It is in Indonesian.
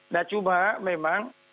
nah cuma memang